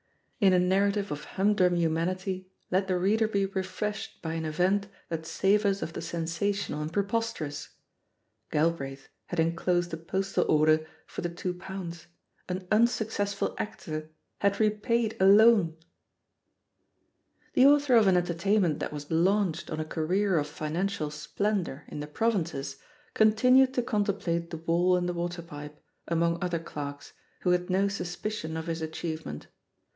In a narrative of hmndrum humanity, let the reader be refreshed by an event that savours of the sensational and preposterous — Galbraith had enclosed a postal order for the two pounds; an unsuccessful actor had repaid a loan I The author of an entertainment that was launched on a career of financial splendour in the provinces continued to contemplate the wall and the water pipe, among other clerks, who had no suspicion of his achievement.